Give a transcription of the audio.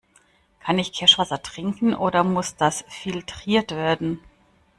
Kann ich Kirschwasser trinken oder muss das filtriert werden?